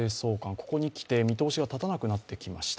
ここにきて見通しが立たなくなってきました。